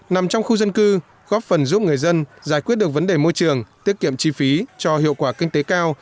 nằm trong khu dân cư góp phần giúp người dân giải quyết được vấn đề môi trường tiết kiệm chi phí cho hiệu quả kinh tế cao